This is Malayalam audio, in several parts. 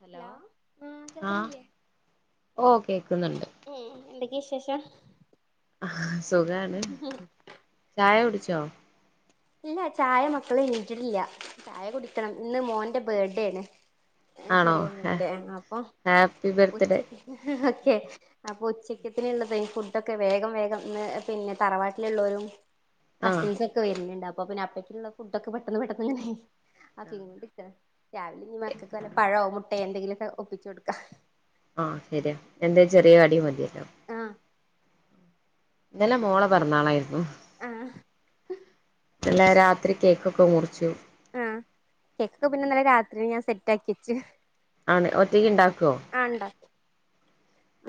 ഹലോ ആഹ് കേൾക്കുന്നില്ലേ ഉം എന്തൊക്കെ വിശേഷം ആ സുഖാണ് ചായ കുടിച്ചോ ഇല്ല ചായ മക്കള് എനിച്ചിട്ടില്ല ചായ കുടിക്കണം ഇന്ന് മോന്റെ ബേർത്ത്ഡേ ആണ് ആണോ ചെറിയ ഏ മോന്റെ അപ്പൊ ഹാപ്പി ബർത്തിഡേ ഉച്ചക്ക് ഓക്കെ അപ്പൊ ഉച്ചക്കത്തിന്ള്ളത് ഫുഡൊക്കെ വേഗം വേഗം ഇന്ന് പിന്നെ തറവാട്ടില്ള്ളോലും ആഹ് കസിൻസൊക്കെ വര്ന്ന്ണ്ട് അപ്പൊ പിന്നെ അപ്പക്കുള്ള ഫുഡൊക്കെ പെട്ടെന്ന് പെട്ടെന്ന് ഇങ്ങനെ ആക്കികൊണ്ട് നിക്ക രാവിലെ ഇഞ്ഞി മക്കക്ക് വല്ല പഴോ മുട്ടേ എന്തെങ്കിലൊക്കെ ഒപ്പിച്ചു കൊടുക്കാ ആ ശരിയ എന്തെ ചെറിയ കടി മതിയല്ലോ ആഹ് ഇന്നലെ മോളെ പിറന്നാളായിരിന്നു ആഹ് ഇന്നലെ രാത്രി കേക്കൊക്കെ മുറിച്ചു ആഹ് കേക്കൊക്കെ പിന്നെ ഇന്നലെ രാത്രി ഞാൻ സെറ്റാക്കി വച്ച് ആണ് ഒറ്റയ്ക്ക് ഇണ്ടാക്കോ ആ ഇണ്ടാക്കും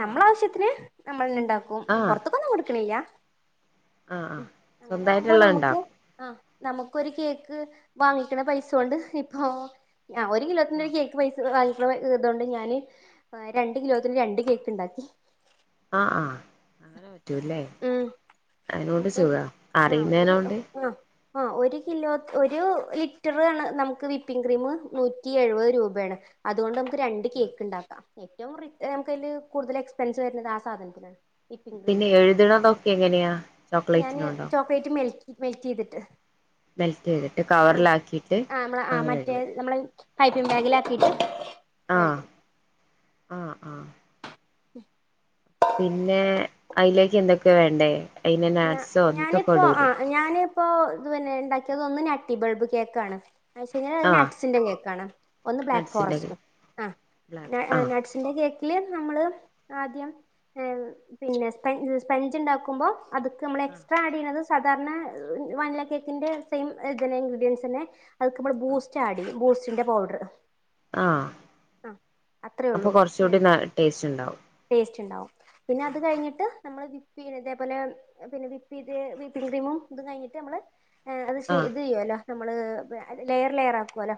നമ്മളെ ആവശ്യത്തിന് നമ്മളന്നെ ഇണ്ടാക്കും ആഹ് പൊറത്ത്ക്കൊന്നും കൊടുക്കണില്ല ആഹ് ആഹ് ഉം അങ്ങനെ ആവുമ്പോ സ്വന്തമായിട്ടുള്ളത് നമുക്കും ഉണ്ടാക്കും ആഹ് നമ്മുക്കൊരു കേക്ക് വാങ്ങിക്ക്ണ പൈസകൊണ്ട് ഇപ്പൊ ആ ഒരു കിലോത്തിനൊരു കേക്ക് പൈസ വാങ്ങിക്ക്ണ ഇതുകൊണ്ട് ഞാന് രണ്ട് കിലോത്തിന് രണ്ട് കേ ക്ക് ഇണ്ടാക്കി ആഹ് ആഹ് അങ്ങനെ പറ്റൂല്ലേ അയിനൊണ്ട് അപ്പം സുഖ ആ ഒരു അറിയന്നേനോണ്ട് ആ ആ ഒരു കിലോ ഒരു ലിറ്ററാണ് നമുക്ക് വിപ്പിംഗ് ക്രീമ് നൂറ്റി എഴുപത് രൂപയാണ് അതൊണ്ട് രണ്ട് കേക്ക് ഇണ്ടാക്കാം ഏറ്റവും നമുക്ക് അയില് കൂടുതൽ എക്സ്പെൻസ് വരുന്നത് ആ സാധനത്തിനാണ് വിപ്പിംഗ് പിന്നെ ക്രീമിന് എഴുത്ണതൊക്കെ എങ്ങനെയാ ഞാന് ചോക്ലേറ്റിനോണ്ടോ ചോക്ലേറ്റ് മെൽ മെൽറ്റ് ചെയ്തിട്ട് മെൽറ്റ് ചെയ്തിട്ട് ആ കവറിലാക്കിയിട്ട് ആ നമ്മളെ ആ അങ്ങനെ മറ്റേ എഴുതും നമ്മളെ പൈപ്പിം ബാഗിലാക്കിട്ട് [unintelligible] ആഹആഹ ആഹ [inaudible] പിന്നെ അയിലേക്ക് എന്തൊക്കെയ വേണ്ടേ അയിന് ഞാ നാട്സോ എത്തൊക്കെ ഞാനിപ്പോ ഇടുലേ ആഹ് ഞാനിപ്പോ ഇത് പിന്നെ ഉണ്ടാക്കിയത് ഒന്ന് ഞട്ടിബൾബ് കേക്കാണ് മറ്റേത് ആഹ് ആനട്ട്സിന്റെ കേൾക്കാണ് ഒന്ന് ബ്ലാക്ക് നട്സിന്റെ ഫോറസ്റ്റ് ആ ബ്ലാക്ക് ആഹ് നട്സ് എന്റെ കേക്കില് നമ്മള് ആദ്യം പിന്നെ സ്പ സ്പഞ്ച് ഉണ്ടാക്കുമ്പോ അത്‌ ക്ക്നമ്മള് ആഹ് എക്സ്ട്രാ ആഡ്ചെയുന്നത് സാധാരണ വനില കേക്കിന്റെ സെയിം ഇൻഗ്രീഡിയൻസ് തന്നെ അത് ക്ക് നമ്മൾ ആഹ് ബൂസ്റ്റ് ആഡ് ചെയ്യും ബൂസ്റ്റിന്റെ പൗഡർ ആഹ ആ അത്രേ അപ്പൊ ഉള്ളൂ കുറച്ചുകൂടി ടേസ്റ്റ് ഉണ്ടാവും ടേസ്റ്റ് ഉണ്ടാവും പിന്നെ അത് കഴിഞ്ഞിട്ട് നമ്മള് വിപ്പ്‌ ചെയ്തേപോലെ പിന്നെ വിപ്പി വിപ്പിംഗ് ക്രീമും ഇതും കഴിഞ്ഞിട്ട് നമ്മള് അത്ഏകദേശം ആഹ് ഇത്ചെയ്യുവല്ലോ നമ്മള് ലെയർ ലെയർ ആക്കുവല്ലോ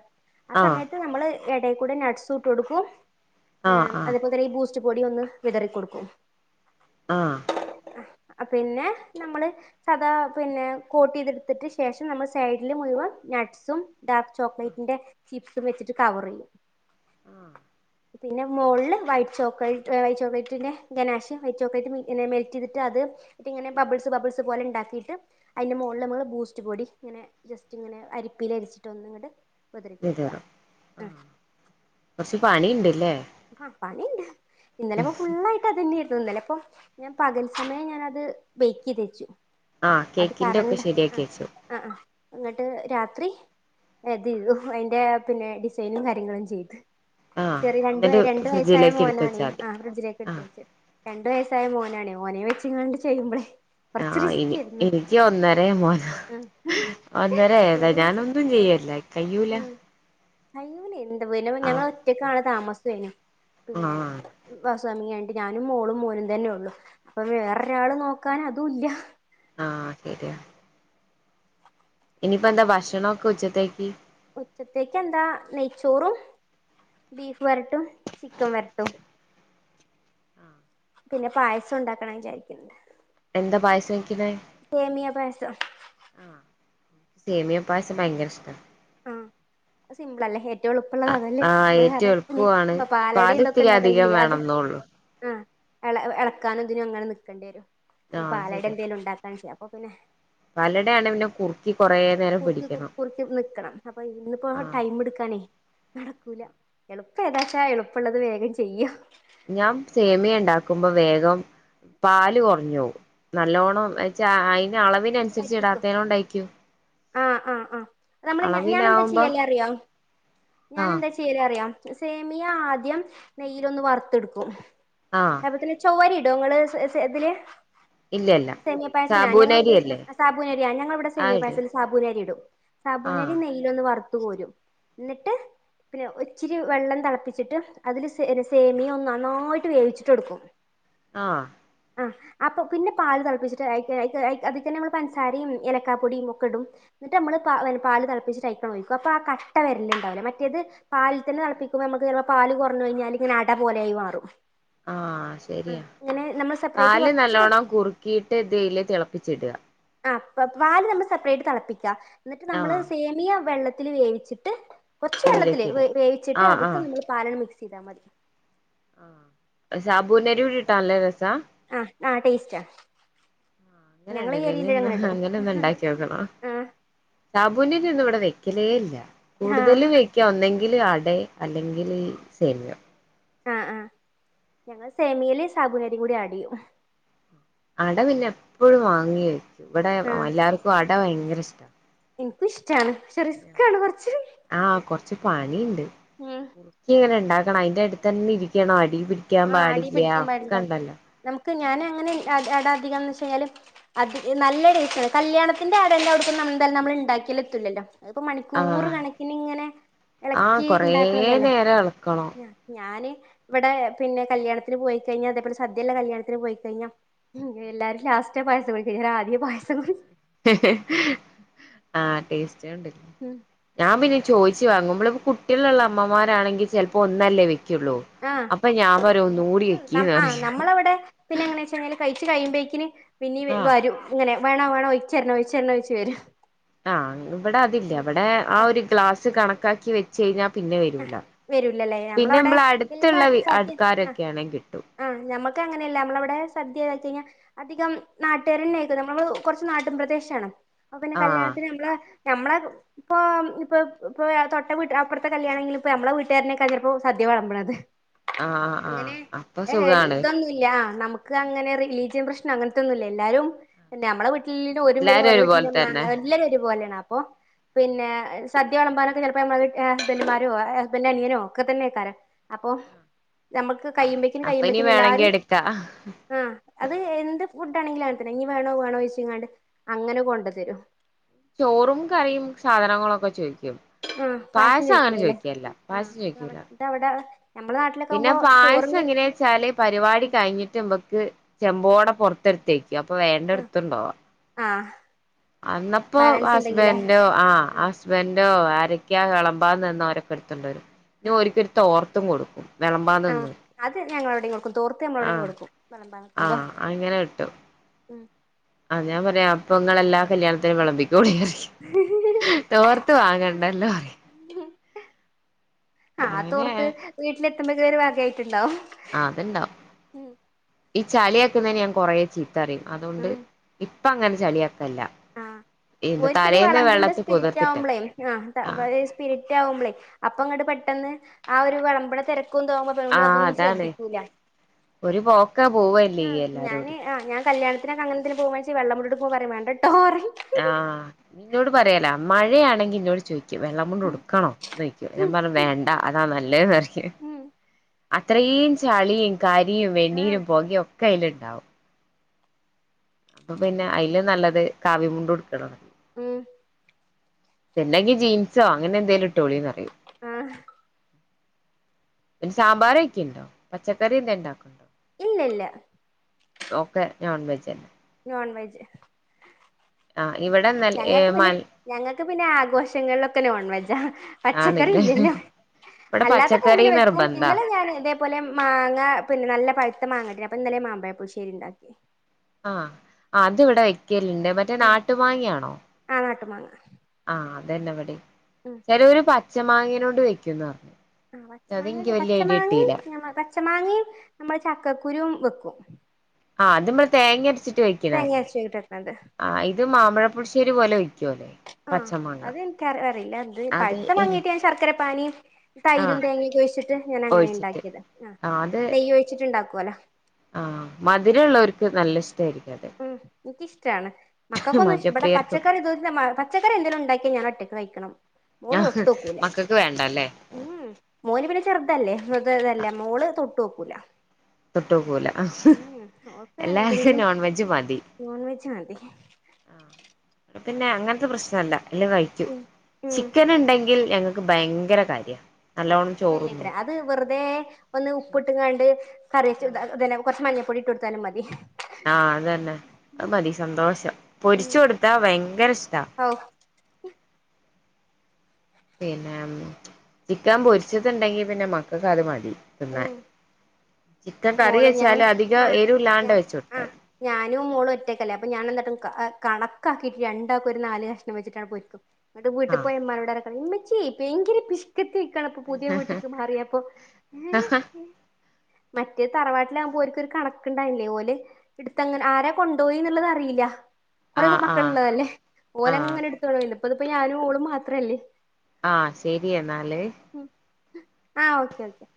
ആ ആഹ് സമയത്ത് നമ്മള് എടെ കൂടെ നട്ട്സു ഇട്ട്കൊടുക്കും ആഹ് ആഹ് അതെപ്പോലെ ഈ ബുസ്റ്റ് ബുസ്റ്റ്പൊടി ഒന്ന് വിതറിക്കൊടുക്കും ആഹ പിന്നെ നമ്മള് സധാ പിന്നെ കോട്ട് ചെയ്തെടുത്തിട്ടു ശേഷം നമ്മൾ സൈഡിൽ മുഴുവൻ നട്ട്സും ഡാർക്ക് ചോക്ലേറ്റിന്റെ ചിപ്സുംവെച്ചിട്ട് കവർ ചെയ്യും ആഹ [unintelligible] പിന്നെ മോളിൽ വൈയ്റ്റ്ചോക്ലേറ്റ് വൈറ്റ് ചോക്ലേറ്റിന്റെ ഗനാഷ് വൈറ്റ് ചോക്ലേറ്റ് മെൽറ്റ് ചെയ്തിട്ട് അത് ന്നിട്ട്ഇങ്ങനെബബിൾസ് ബബിൾസ് പോലെ ഉണ്ടാക്കിയിട്ട് അതിന്റെ മോള്നമ്മള് ബൂസ്റ്റ് പൊടി ഇങ്ങനെ ജസ്റ്റ് ഇങ്ങനെ അരിപ്പിൽ അരിച്ചിട്ട് ഒന്ന്ങ്ങട് വിതറും ആ കൊറച്ച് പണി ണ്ട്ല്ലേ ആ പണിണ്ട് ഇന്നലെ ഇപ്പോഫുൾള്ളായിട്ട് ഇക്ക് അതന്നൊയിരുന്നു ഇന്നല്ലേ ഇപ്പൊ ഞാൻ പകൽ സമയം ഞാനത് ബേക്ക് ചെയ്തു വച്ചു ആ കേക്കിന്റെ ഒക്കെ ശരിയാക്കി വെച്ചു ആ ആ എന്നിട്ട് രാത്രി അതിതുഅതിന്റെ പിന്നെ ഡിസൈനും കാര്യങ്ങളും ചെയ്തു ആഹ് ചെറിയ രണ്ട് എന്നിട്ട് ഇതുവരെരണ്ടു വയസ്സായ ഫ്രിഡ്ജിലേക്ക് എടുത്ത് മോനാണ് വെച്ചാൽ മതി ആ ഫ്രിഡ്ജിലേക്ക് എടുത്ത് ആഹ് വച്ചത് രണ്ടു വയസ്സായ മോനാണ് ഓനെ വെച്ച്ങ്ങാണ്ട് ചെയ്യുമ്പളേയ്- ആഹ ഇനി എനിക്ക് ഒന്നര മോനാ ആ ഒന്നര അയതാ ഇവരെ ഞാൻ വെച്ചിട്ട് ഒന്നും ചെയുല്ലേ കഴിയില്ല കയ്യുല്ലെ എന്താ പിന്നെ ഞങ്ങൾ ഒറ്റക്കാണ് താമസംഐനും--പിന്നെ ആഹ് ബസ് ഹൗസ് വായിങ്ങ് കഴിഞ്ഞിട്ട്ഞാനും മോളും മോനും തന്നെ ഉള്ളു അപ്പൊ വേറൊരാള് നോക്കാൻ അതുഇല്ല ആഹ ശരിണ് ഇനിയിപ്പോ എന്താ ഭക്ഷണൊക്കെ ഉച്ചത്തേക്ക് ഉച്ചത്തേക്ക് എന്താ നെയ്ച്ചോറും ബീഫ് വരട്ടും ചിക്കൻ വരട്ടും പിന്നെ പായസം ഉണ്ടാക്കണം വിചാരിച്ചു എന്താ പായസം വെക്ണ് പായസം ആഹ സേമിയം പായസം ഭയങ്കര ഇഷ്ടം ആഹ സിംമ്പിൾ അല്ലേ ഹെ എറ്റവുംഎളുപ്പമുള്ളതാതല്ലേ ആഹ് ഏറ്റവും വേറെ ഇ എളുപ്പവുമാണ് പാലട പാല് എന്തൊക്കെ ഇത്തിരി അധികം ണ്ടാക്കണങ്കിൽഅത് വേണംന്നേള്ളു ആഎളക്കാനും എന്തിനും അങ്ങനെ നിക്കേണ്ടി വരും അപ്പൊ ആഹ് പാലട എന്തെിലും ഉണ്ടാക്കാണ് ചെയ്യാം അപ്പൊ പിന്നെ വലടയാണൽപിന്നെ കുറക്കി കുറ നേരം പിടിക്കണം ടുക്കണം അപ്പൊ ഇന്നിപ്പോ ആഹ് ടൈം എടുക്കാനേ നടക്കൂല എളുപ്പം ഏതാച്ചാ എളുപ്പള്ളത് വേഗം ചെയ്യാ ഞാൻ സേമിയം ണ്ടാക്കുമ്പോ വേഗം പാല് കുറഞ് പോവും നല്ലോണം എന്നച്ച അതിന്അളവിൻ അനുസരിച്ച് പറ്റിക്കും ഇടാതെയ് നോണ്ടയ്ക്കും ആഹ് ആഹ് ആഹ് നമ്മള് ഞാൻ ഞാനെന്താ അളവിനാവുമ്പോ ചെയ്യല് അറിയോ ഞാൻ ആഹ് എന്താ ചെയ്യല് അറിയൊ സേമിയ ആദ്യം നെയ്യിലൊന്ന് വറുത്തെടുക്കും ആഹ് ലത്തിനു ചോരി ഇ ടൊ ങ്ങള് സെ സെ ഇതില് ഇല്ലല്ല സെമിയ പായസതില ഞങ്ങള് സാബൂനരിയല്ലേ അ സാബൂനരിയാ ഞങ്ങളിവിടെ സെമിയ ആഹ് ഇട് പായസത്തിൽ സാബൂനരി ഇടും ആഹ് സാബൂനരി നെയ്യിലൊന്ന് വറുത് കോരും എന്നിട്ട് പിന്നെ ഒച്ചിരി വെള്ളം തെളപ്പിച്ചിട്ട് അതില് സെ സേമിയോ ഒന്ന് നന്നായിട്ട് വേവിച്ചിട്ട് എടുക്കും ആഹ് അ അപ്പൊ പിന്നെ പാല് തെളപ്പിച്ചിട്ട് അയ്ക് അയ്ക് അത്കെന്നമ്മള് പൻസാരേം എലക്കപൊടിയും ഒക്കെടും എന്നിട്ട് അമ്മള് പ പാല് തെളപ്പിച്ചിട്ട് അയ്ക്കണ്ടൊയിക്കു അപ്പ ആ കട്ട വരലിണ്ടാവുല മറ്റേത് പാലിൽ തന്നെ തെളപ്പിക്കുമ്പോ അമ്മക്ക് പാല് കൊർഞയിഞ്ഞലിങ്ങന അട പോലെയായി മാറും ആഹ് ആ ശരിയാ ഇങ്ങനെ നമ്മൾ സെപ്പറേറ്റ് പാല് കുറച്ച് നല്ലോണം കുറുക്കിയിട്ട് ഇതില് തെളപ്പിച്ചിട ആ പാല് നമ്മൾ സെപ്പറേറ്റ് തെളപ്പിക്ക എന്നിട്ട് നമ്മള് ആഹ് സേമിയ വെള്ളത്തിൽ വേവിച്ച് ച്ചിട്ട് കൊർച്ച് ഇതിലേക്ക് വെള്ളത്തില് ഇടുക വേവിച്ചിട്ട് ആഹ് അതൊക്കെ ആഹ് നമ്മള് പാലണ്ട് മിക്സ് ചെയ്താ മതി ആ സാബുനരിയുടി ഇട്ടാ നല്ലരസ? അഹ് ആഹ് ടേസ്റ്റാ ആ ഞങ്ങളെ ഈ അങ്ങനെണ്ടലേ എന്ന ഏരിയൽ അങ്ങനെ ഒന്ന് ഇടും അങ്ങനെണ്ടാക്കിയൊക്കണം ആ സാബൂനരിയൊന്നും ഇവിടെ വെക്കലേ ഇല്ല ആ കൂടുതലും വെ ക്ക ഒന്നെങ്കിൽ അടെ അല്ലെങ്കിൽ ഈ സേമയം ആഹ് ആ ഞങ്ങൾ സേമിയല് സാബുനരിയും കൂടി ആടെയ്യും അട പിന്നെ എപ്പഴും വാങ്ങി വെക്കും ഇവിടെ എല്ലാവർക്കും അട വയങ്കര ഇഷ്ട എൻക്കു ഇഷ്ടാണ് പക്ഷെ റിസ്ക് ആണ് കൊർച്ച് ആഹ് കൊറച്ച് പണിണ്ട് കുർക്കി ഇങ്ങനെ ഇണ്ടാക്കണം അയിന്റട്തെന്നെ ഇരിക്കണം അടിൽ പിടി ക്കാൻ ആഹ് അടി പാടില്ല പിടിക്കാൻ പാടില്ല ഒക്കണ്ടല്ലോ നമുക്ക് ഞാനങ്ങനെ അടാധികാന്ന് വെച്ചയ്ഞ്ഞാല് അത് നല്ല ടെസ്റ്റണ് കല്യാണത്തിന്റെ അട എല്ലവ്ടുക്ക്ന്ന് എന്തായാലും നമ്മൾ ഇണ്ടാക്കിയൽ എതുലല്ലോ അതിപ്പൊ മണിക്കൂറ് ആഹ് കണക്കിന് ഇങ്ങനെ ആഹ് എളക്കി കൊറേ ഇണ്ടാക്കണതല്ലേ നേരം ഇളക്കണം ഞാന് ഇവിടെ പിന്നെ കല്യാണത്തിന് പോയിക്കഴിഞ്ഞ അതേപോലെ സദ്യള്ള കല്യാണത്തിന് പോയിക്കഴിഞ്ഞ എല്ലാരും ലാസ്റ്റ പായസം കുടിക്ക ഞാനാദ്യേ പായസം കു ആ ടേസ്റ്റോണ്ട് ഉം ഞാൻ പിന്നെ ചോയിച്ചു വാങ്ങു അമ്മളീ കുട്ടികളുള്ള അമ്മമാരാണെങ്കിൽ ചെൽപ്പോ ഒന്നല്ലേ വെക്കുള്ളൂ ആഹ് അപ്പൊ ഞാൻ പറയു ഒന്നുടി വയ്ക്കിന്ന് പറയു ആഹ് ഞാൻ നമ്മളവിടെ പിന്നെ എങ്ങനെ വെച്ചല് കയിച് കയ്മ്പെക്കിന് പിന്നീ ആഹ് വരും ഇങ്ങനെ വേണോ വേണോ ഒയിച്ചെര്ണോ ഒഴിച്ചെര്ണോ ചോയ്ച് വരും ആഹ് ഇവിടെ അതില്ല ഇവിടെ ആ ഉം ഒരു ഗ്ലാസ് കണക്കാക്കി വെ ചെയ്യഞ്ഞാ പിന്നെ ആഹ് വരൂല വരൂലല്ലേ പിന്നെ നമ്മളവിടെ മ്മളടുത്തുള്ള ആൾക്കാരൊക്കെയാണെങ്കി കിട്ടും ആ ഞമ്മക്ക് അങ്ങനെയല്ല അമ്മളവിടെ സദ്യദയി കയ്ഞ്ഞ അധികം നാട്ടുകാരന്നെക്കും നമ്മൾ കൊറച്ച് നാട്ടും പ്രദേശാണ് അപൊ പിന്നെ ആഹ് കല്യാണത്തിന് അമ്മളെ ഞമ്മള ഇപ്പൊ ഇപ്പൊ ഇപ്പൊ തൊട്ട വീട്ട് അപ്പർത്തെ കല്യാണെങ്കിലിപ്പോ അമ്മള വീട്ടുകാരനൊക്ക ചെൽപ്പോ സദ്യ വെളമ്പണത് ആഹ് ആഹ് അപ്പൊങ്ങനെ അപ്പൊ ഏഹ് സുഖാണ് ഇതന്നും ല്ല നമ്മക്ക് അങ്ങനെ റിലീജിയൻ പ്രശ്നം അങ്ങൻതൊന്നുല്ല എല്ലാരും ഞമ്മളെ എല്ലാരു ഒരും വെരും എല്ലാരും ഓരെ വീട്ടിൽ ഒരുപോലെ തന്നെ ഞമ്മ ല്ലരു ഒരുപോലെയാണ് അപ്പൊ പിന്നെ സദ്യ വെളമ്പാനൊക്കെ ചിലപ്പോ നമ്മളെ ഹസ്ബന്റ്മാരോ ഹസ്ബന്റെ അനിയനോ ഒക്കെ തന്നെക്കാരം അപ്പൊ ഞമ്മക്ക് കയ്യുമ്പക്കും അപ്പൊ ഇനി കയ്യുമ്പക്കും വേണെങ്കി എല്ലാരും എടുക്കാ ആ അത് എന്ത് ഫുഡ് ആണെങ്കിലും അങ്ങൻതെന്നെ ഇനി വേണോ വേണോ ചോയ്ച്ചിങ്ങാണ്ട് അങ്ങനെ കൊണ്ട തരും ചോറും കറിയും സാധനങ്ങളൊക്കെ ചോയ്ക്കും പായസം അങ്ങനെ ചോയിക്കേല്ല പായസം ചോയിക്കൂല ൻ്റ അവടെ നമ്മളെ നാട്ടിലൊക്കാകുമ്പോ ചോറും കറിം ച്ചാല് പരിപാടി കഴിഞ്ഞിട്ട് ഇമക്ക് ചെമ്പോടെ പുറത്തെട്ത്തെക്കും അപ്പൊ വേണ്ട എടുത്തുണ്ടോവ ആഹ് അന്നപ്പോ ഹസ്ബൻ്റോ ആഹ് ആ ഹസ്ബൻഡോ ആരൊക്കെയാ വെളമ്പാനിന്നെ ഓരൊക്കെ എടുത്തുണ്ടോരും പിന്നെ ആ ഓരിക്കൊര് തോർ ത്തും കൊടുക്കും ആഹ് വെളമ്പാനിന്ന് അത് ഞങ്ങളെ ഇവടിം കൊടുക്കും തോർത്ത് നമ്മള ഇവടിം കൊടുക്കും വെളമ്പാ ആ നിക്കുമ്പം ഉം ആഹ് ഞാൻ പറയാ അപ്പങ്ങളെല്ലാ കല്യാണത്തിനും വെളമ്പിക്കോളി പറിം തോർത്ത് വാങ്ങണ്ടല്ലോ റൃ ആഹ് തോർത്ത് അങ്ങനെ വീട്ടിലെത്തുമ്പേക്ക് ഒരു വാഗായിട്ടുണ്ടാവും ആഹ് അത്ണ്ടാവും ഈ ചളിയാക്കുന്നേന് ഞാൻ കൊറേ ചീത്ത പറിം അതോണ്ട് ഉം ഇപ്പങ്ങനെ ചളിയാക്കല്ല ആഹ് എന്ത് ഒൽക്ക്ത് തലേന്ന് വെളമ്പിന്റെ വെള്ളത്തി സ്പിരിറ്റ് പുതിർത്തിട്ട ആവുമ്പളേ ആഹ് ആ [unintelligible] സ്പിരിറ്റാവുമ്പളേ അപ്പങ്ങട്ട് പെട്ടെന്ന് ആ ഒരു വിളമ്പ്ണ തെരക്കും ഇതാവുമ്പോ പ്പം ഓലതൊന്നും ശ്രദ്ധിക്കൂല ഒര് പോക്കാ ആഹ് പോവല്ലേയ്യ ഞാന് എല്ലാരൂടിം ആഹ് ഞാൻ കല്യാണ ത്തിന് അങ്ങൻതീന് പോവാണച്ചെ വെള്ളമുണ്ടിട്ട് പോവുമ്പ പറിം വേണ്ടട്ടോ റിം ആഹ് ഇന്നോട് പറയല മഴയാണെങ്കി ഇന്നോട് ചോയ്ക്കും വെള്ളം മുണ്ട് ഉടുക്കണോ ന്നോയ്ക്കും ഞാൻ ഉം പറിം വേണ്ട അതാ നല്ലേന്ന് പറിം ഉം അത്രീം ചളിം കരിയും ഉം വെണ്ണീരും ആഹ് പൊകിം ഒക്കെ അയില്ണ്ടാവും അപ്പപിന്നെ അയിലും നല്ലത് കവിമുണ്ട് ഉട്ക്ക്ണതാ ഉം പിന്നെങ്കിൽ ജീൻസോ അങ്ങനെന്തേലും ഇട്ടോളിന്ന് പറിയൂ ആഹ് പിന്നെ സാമ്പാറെക്കീണ്ടോ പച്ചക്കറി എന്താ ഇണ്ടാക്ക്ണ്ടോ ഇല്ല ല്ല ഓക്കെ നോൺ വെജന്നെ നോൺ വെജ് ആഹ് ഇവടെ ഞങ്ങക്ക് പിന്നെ ഞങ്ങക്ക് പിന്നെ ആഘോഷങ്ങളിലൊക്കെ നോൺ വെജാ പച്ചക്കറി ആണില്ലേ ഇല്ലല്ലോ ഇവിടെ അല്ലാത്തൊകെ പച്ചക്കറി ഓംപിന്നെ വെക്കും നിർബന്ധ ഇന്നലെ ഞാന് ഇതേ അതുപോലെ മാങ്ങ പിന്നെ നല്ല പഴുത്ത മാങ്ങട്ടീനി അപ്പൊ ഇന്നല്ല ഞാ മാമ്പായപ്പുളിശ്ശേരി ഇണ്ടാക്കി ആഹ് അത് ഇവടെ വെയ്ക്കല്ണ്ട് മറ്റേ ഉം നാട്ടു മാങ്ങയാണോ? ആ നാട്ടുമാങ്ങ ആഹ് അതന്നെ ഇവടിം ഉം ചെലോല് പച്ച മാങ്ങേനോട് വെയ്ക്കുംന്ന് പർഞ്ഞ്. ആഹ് പച്ച മാങ്ങേടെ പച്ച മാങ്ങിം ഞമ്മ പച്ച മാങ്ങിം നമ്മളെ ചക്കക്കുരും വെക്കും. ആഹ് അത് മ്മള് തേങ്ങ അരച്ചി ട്ട് തേങ്ങ വെക്ക്ണല്ലേ അരച്ചിട്ട് വെക്കുന്നത് ആഹ് ഇത് മാമ്പഴപ്പുളിശ്ശേരി പോലെ വെയ്ക്കോ ല്ലേ? ആഹ് അതിൻക്കറ അറീല ഇത് അത് എനി പഴുത്തമാങ്ങായിട്ട് ഞാൻ ശർക്കര പാനിം ആ തൈരും തേങ്ങയക്കെ ഒഴിച്ചിട്ട് ഞാൻ അങ്ങനെ ഒഴിച്ചിട്ട് ഇണ്ടാക്കിയത്. ആഹ് നെയ്യ് ഒഴിച്ചിട്ട് ഇണ്ടാക്കുല്ലോ? ആഹ് മധുരള്ളോര്ക്ക് നല്ല ഇഷ്ടായിരി ഉം ഇൻക്കിഷ്ടാണ് മക്കക്കൊന്നും ഇഷ് ഇബടെ മദ്യപ്രിയർക്കൊക്കെ പച്ചക്കറി ഇത് ന്നെ മ പച്ചക്കറി എന്തേലും ഉണ്ടാക്കിയാ ഞാനൊറ്റക്ക് കഴിക്കണം. മോള് ഞാഹ് തൊട്ട് നോക്കൂല മക്കക്ക് വേണ്ടല്ലേ? ഉം മോന് ഇവടെ ചെർതല്ലേ [unintelligible] മോള് തൊട്ടോക്കൂല. തൊട്ടോക്കൂല ഓൾക്ക് എല്ലാർക്കും എന്തെങ്കിലും നോൺവെജ് മതി. നോൺ വെജ് മതി. ആഹ് ഇവടെ പിന്നെ അങ്ങൻത്തെ പ്രശ്നല്ല എല്ലം കഴിക്കു ഉം ചിക്കന്ണ്ടെങ്കിൽ ഞങ്ങ ക്ക് ഭയങ്കര കാര്യാ ഓ നല്ലോണ്ണം അതല്ലേ ചോറ്ന്നും. അത് വെറുതെ ഒന്ന് ഉപ്പ് ഇട്ട്ങ്ങാണ്ട് കറി വെച്ച് ത പിന്നേ കൊർച്ച് മഞ്ഞപ്പൊടി ഇട്ട് കൊടുത്താലും മതി. ആഹ് അത് തന്നെ അത് മതി സന്തോഷം പൊരിച്ചു കൊടുത്താ ഭയങ്കര ഇഷ്ടാ. ഹൗ പിന്നേം ചിക്കൻ പൊരിച്ചത്ണ്ടെങ്കിൽ പിന്നെ മക്കക്ക് അത് മതി തിന്നാൻ. ഉം ചിക്കൻ കറി മോള് ഞാൻ വെച്ചാല് അധികം ആഹ് ഞാ എരുല്ലാണ്ട് വെച്ച് കൊടുത്താ ആഹ് ഞാനും മോളും ഒറ്റക്കല്ലേ അപ്പ ഞാ എന്താട്ടും അഹ് കണക്കാക്കിട്ട് രണ്ടാക്കും ഒരു നാല് കഷ്ണം വെച്ചിട്ടാണ്ട് പൊരിക്കും. ങ്ങട്ട് വീട്ട് ആ പോയി ഉമ്മാനോടൊരക്കെ ഇമ്മച്ചി ഭയങ്കര പിശ് ക്ക്ത്തിയ്ക്ക്ണ് പ്പം പുതിയ വീട്ട്ക്ക് മാറിയപ്പൊ ഏഹ് ഏഹ്. മറ്റേ തറവാട്ടിലാകുമ്പോ ഓര്ക്കൊരു കണക്ക്ണ്ടായില്ലേ ഓല് ഇട്ത്തങ്ങനെ ആരെ കൊണ്ടോയി ന്ന്ള്ളത് അറിയില്ല. കൊറെ ആ ആ മക്കള് ഇള്ളതല്ലേ ആ ഓലങ്ങനെ ഇട് [unintelligible] ഇപ്പത് ഞാനും ഓളും മാത്രല്ലേ. ആഹ് ശരി എന്നാല്? ഉം ആഹ് ഓക്കെ ഓക്കെ.